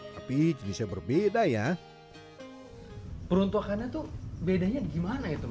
tapi bisa berbeda ya peruntukannya tuh bedanya gimana itu